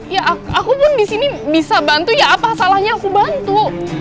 ya aku pun di sini bisa bantu ya apa salahnya aku bantu